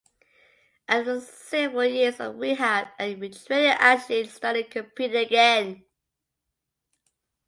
After several years of rehab and retraining Ashley started competing again.